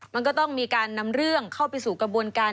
มันก็ต้องมีการนำเรื่องเข้าไปสู่กระบวนการ